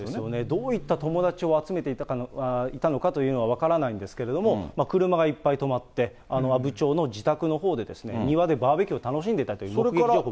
どういった友達を集めていたのかというのは分からないんですけれども、車がいっぱい止まって、阿武町の自宅のほうで庭でバーベキューを楽しんでいたという目撃情報もあります。